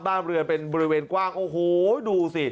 บ้านเรือนเป็นบริเวณกว้างโอ้โหดูสิ